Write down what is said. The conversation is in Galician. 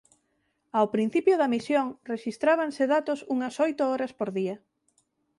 Ao principio da misión rexistrábanse datos unhas oito horas por día.